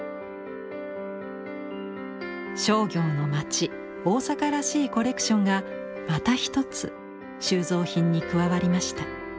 商業の町大阪らしいコレクションがまた一つ収蔵品に加わりました。